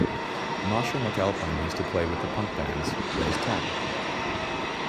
Marshall McAlpine used to play with the punk bands Where's Tom?